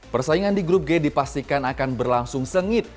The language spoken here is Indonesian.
persaingan di grup g dipastikan akan berlangsung sengit